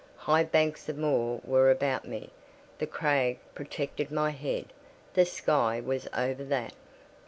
High banks of moor were about me; the crag protected my head: the sky was over that.